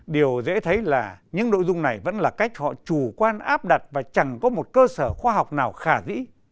điều dễ thấy là những nội dung này vẫn là cách họ chủ quan áp đặt và chẳng có một cơ sở khoa học nào khả dĩ